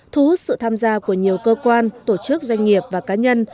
thu hút sự tham gia của nhiều cơ quan tổ chức doanh nghiệp và cá nhân